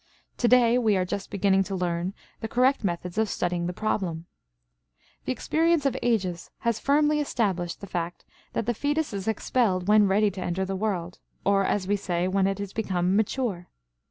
To day we are just beginning to learn the correct methods of studying the problem. The experience of ages has firmly established the fact that the fetus is expelled when ready to enter the world, or as we say, when it has become mature.